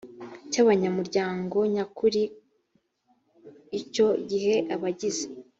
cy abanyamuryango nyakuri icyo gihe abagize